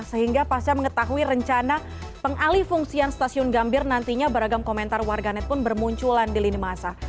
sehingga pasca mengetahui rencana pengalih fungsian stasiun gambir nantinya beragam komentar warganet pun bermunculan di lini masa